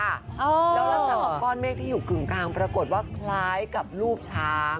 แล้วหลังจากนั้นเอาก้อนเมฆที่อยู่กึ่งกลางปรากฏว่าคล้ายกับรูปช้าง